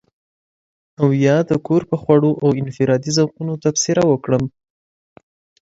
او يا د کور پر خوړو او انفرادي ذوقونو تبصره وکړم.